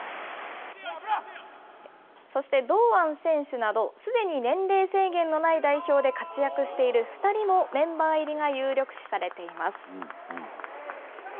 そして堂安選手など、すでに年齢制限のない代表で活躍している２人もメンバー入りが有力視されています。